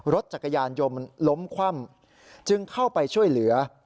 รถจักรยานยนต์ล้มคว่ำจึงเข้าไปช่วยเหลือ